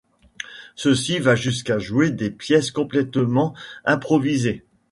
Ceci va jusqu'à jouer des pièces complètement improvisées.